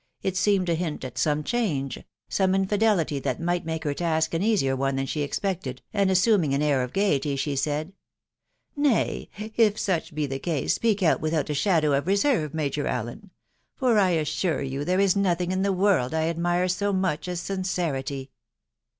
.... it seemed to hint at some change — some infidelity that might make her task an easier one than she expected, and assuming an air of gaiety, she said, —" Nay .... if such be the case, speak out without a shadow ^if reserve, Major, Allen ; for I assure you then is nothing in the world I admire so much as sincerity."